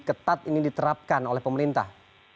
ketat ini diterapkan oleh pemerintah